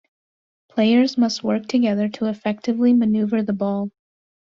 Players must work together to effectively maneuver the ball.